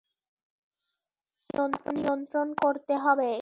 চাপ নিয়ন্ত্রণ করতে হবে।